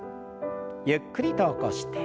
ゆっくりと起こして。